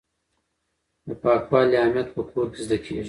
د پاکوالي اهمیت په کور کې زده کیږي.